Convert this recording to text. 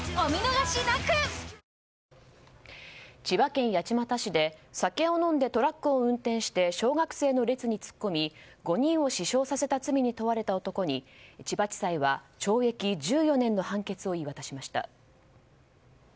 千葉県八街市で酒を飲んでトラックを運転して小学生の列に突っ込み５人を死傷させた罪に問われた男に千葉地裁は懲役１４年の判決を言い渡しました。